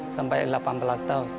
sampai delapan belas tahun